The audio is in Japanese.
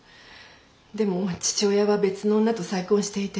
でも父親は別の女と再婚していて。